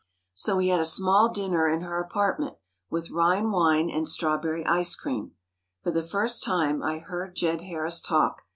So we had a small dinner in her apartment, with Rhine wine and strawberry ice cream. For the first time, I heard Jed Harris talk.